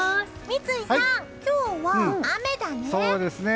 三井さん、今日は雨だね。